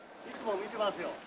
いつも見てますよ。